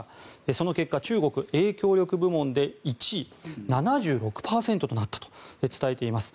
その結果中国は影響力部門で１位７６％となったと伝えています。